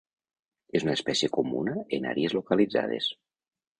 És una espècie comuna en àrees localitzades.